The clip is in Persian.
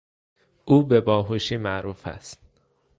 او به باهوشی معروف است.